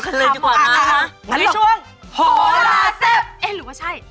สวัสดีวันนี้เราเจอกับหมูปอสวัสดี